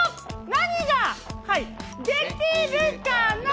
何ができるかな？